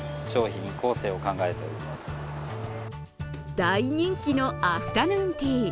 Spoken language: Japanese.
大人気のアフタヌーンティー。